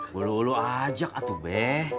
bulu bulu ajak atuh be